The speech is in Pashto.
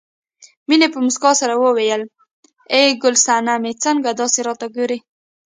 مينې په مسکا سره وویل ای ګل سنمې څنګه داسې راته ګورې